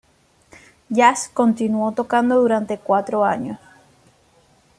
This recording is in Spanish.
Jazz continuó tocando durante cuatro años.